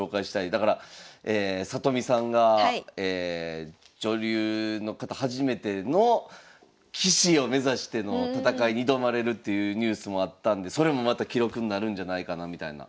だから里見さんが女流の方初めての棋士を目指しての戦いに挑まれるっていうニュースもあったんでそれもまた記録になるんじゃないかなみたいな。